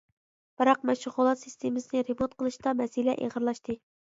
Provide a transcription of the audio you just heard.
بىراق، مەشغۇلات سىستېمىسىنى رېمونت قىلىشتا مەسىلە ئېغىرلاشتى.